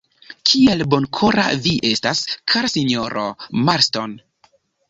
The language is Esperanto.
Kiel bonkora vi estas, kara sinjoro Marston!